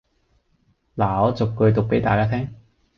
拿我逐句讀俾大家聽